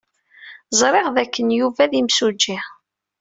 Ẓriɣ dakken Yuba d imsujji.